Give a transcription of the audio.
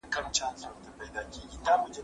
هغه وويل چي وخت تنظيم کول ضروري دي؟!